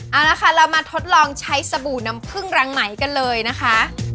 เอาละค่ะเรามาทดลองใช้สบู่น้ำพึ่งรังไหมกันเลยนะคะ